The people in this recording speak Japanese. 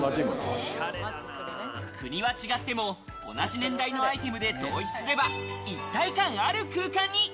国は違っても同じ年代のアイテムで統一すれば一体感ある空間に。